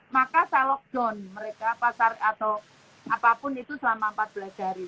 maka saya lockdown mereka pasar atau apapun itu selama empat belas hari